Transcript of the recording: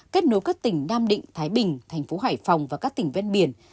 kết nối các tỉnh nam định thái bình thành phố hải phòng và các tỉnh ven biển